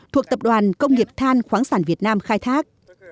thuộc tập đoàn công nghiệp than khoáng sản việt nam khai thác